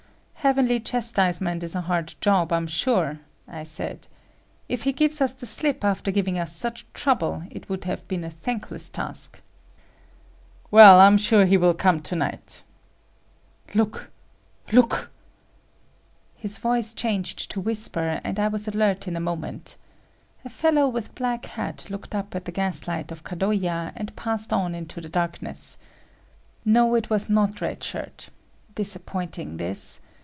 "Heavenly chastisement is a hard job, I'm sure," I said. "If he gives us the slip after giving us such trouble, it would have been a thankless task." "Well, I'm sure he will come to night…—… Look, look!" His voice changed to whisper and I was alert in a moment. A fellow with a black hat looked up at the gas light of Kadoya and passed on into the darkness. No, it was not Red Shirt. Disappointing, this!